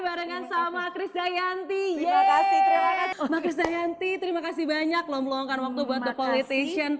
barengan sama chris dayanti terima kasih banyak lom lomkan waktu buat the politician